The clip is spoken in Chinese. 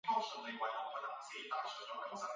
现在看起来都是笑话